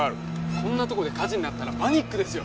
こんなとこで火事になったらパニックですよ。